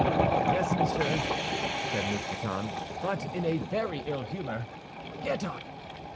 "Yes, monsieur," said Mousqueton, "but in a very ill humor. Get up!"